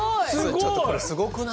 ちょっとこれすごくない？